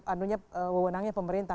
anunya wewenangnya pemerintah